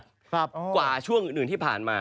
ครับโอ้โฮกว่าช่วงอื่นที่ผ่านมา